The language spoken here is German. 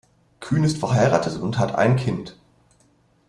Kühn ist verheiratet und hat ein Kind.